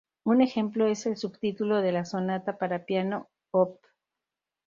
Un ejemplo es el subtítulo de la "Sonata para piano Op.